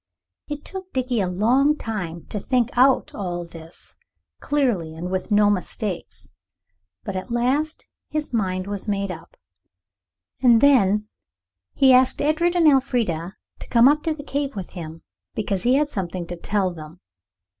It took Dickie a long time to think out all this, clearly, and with no mistakes. But at last his mind was made up. And then he asked Edred and Elfrida to come up to the cave with him, because he had something to tell them.